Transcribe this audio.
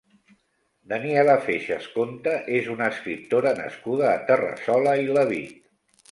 Daniela Feixas Conte és una escriptora nascuda a Terrassola i Lavit.